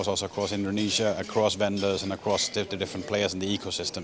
dan juga di indonesia di seluruh penduduk dan di seluruh pemain dan ekosistem